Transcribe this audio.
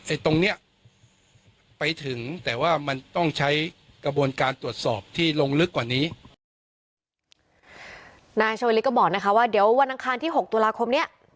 ตรงเนี้ยไปถึงแต่ว่ามันต้องใช้กระบวนการตรวจสอบที่ลงลึกกว่านี้นายชวลิศก็บอกนะคะว่าเดี๋ยววันอังคารที่หกตุลาคมเนี้ย